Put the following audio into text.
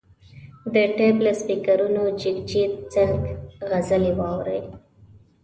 د ټیپ له سپیکرونو جګجیت سنګ غزلې واوري.